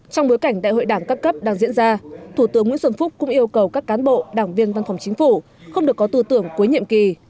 trong bối cảnh đại hội đảng các cấp đang diễn ra thủ tướng nguyễn xuân phúc cũng yêu cầu các cán bộ đảng viên văn phòng chính phủ không được có tư tưởng cuối nhiệm kỳ